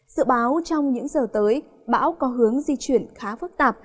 dự báo trong những giờ tới bão có hướng di chuyển khá phức tạp